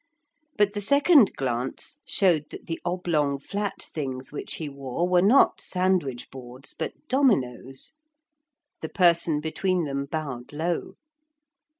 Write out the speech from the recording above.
But the second glance showed that the oblong flat things which he wore were not sandwich boards, but dominoes. The person between them bowed low.